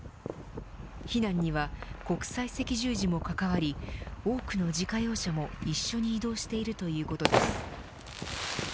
避難には国際赤十字も関わり多くの自家用車も一緒に移動しているということです。